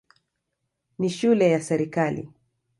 Ni shule ya serikali.